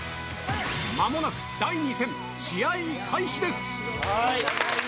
まもなく第２戦、試合開始です。